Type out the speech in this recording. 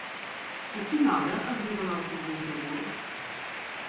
A quina hora arriba l'autobús de Gurb?